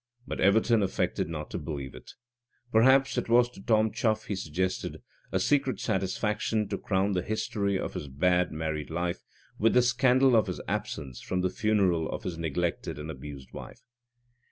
But Everton affected not to believe it. Perhaps it was to Tom Chuff, he suggested, a secret satisfaction to crown the history of his bad married life with the scandal of his absence from the funeral of his neglected and abused wife.